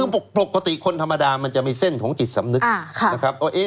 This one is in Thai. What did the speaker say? ปกติคนธรรมดามันจะมีเส้นของจิตสำนึก